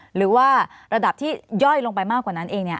หรือว่าระดับที่ย่อยลงไปมากกว่านั้นเอง